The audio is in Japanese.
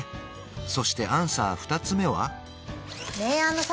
そしてアンサー２つ目は？